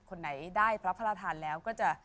คนไหนได้พระราชทานแล้ว